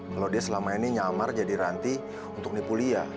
kalau dia selama ini nyamar jadi ranti untuk nipulia